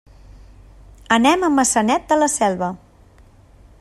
Anem a Maçanet de la Selva.